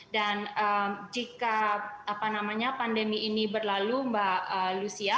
dan jika pandemi ini berlalu mbak lucia